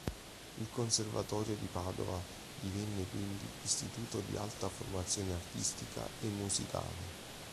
Il Conservatorio di Padova divenne quindi "Istituto di Alta Formazione Artistica e Musicale".